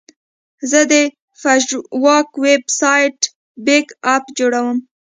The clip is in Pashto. زه د پژواک ویب سایټ بیک اپ جوړوم.